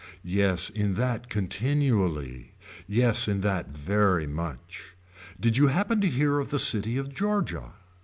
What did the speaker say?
Yes in that continually. Yes in that very much. Did you happen to hear of the city of Georgia.